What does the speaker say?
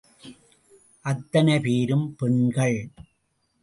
அத்தனை பேரும் பெண்கள்.